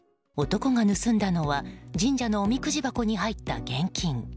男が盗んだのは神社のおみくじ箱に入った現金。